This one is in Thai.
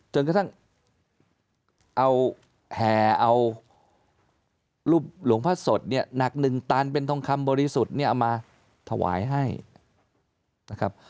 จนกระทั่งเอาแห่เอารูปหลวงพ่อสดเนี่ยหนักหนึ่งตันเป็นทองคำบริสุทธิ์เนี่ยเอามาถวายให้นะครับ